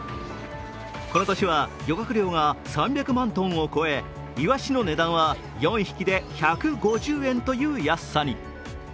この年は漁獲量が３００万トンを超えイワシの値段は４匹で１５０円という安さに。